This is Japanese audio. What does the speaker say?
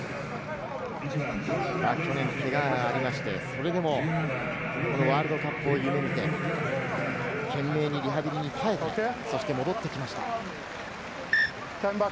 去年、けががありまして、ワールドカップを夢見て懸命にリハビリに耐えて、そして戻ってきました。